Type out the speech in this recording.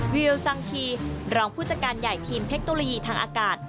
วิวสังคีรองผู้จัดการใหญ่ทีมเทคโนโลยีทางอากาศ